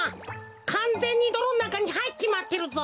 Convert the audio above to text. かんぜんにどろんなかにはいっちまってるぞ。